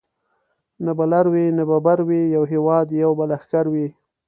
نه به لر وي نه به بر وي یو هیواد یو به لښکر وي